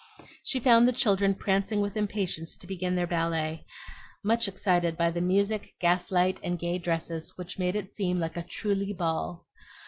She found the children prancing with impatience to begin their ballet, much excited by the music, gaslight, and gay dresses, which made it seem like "a truly ball."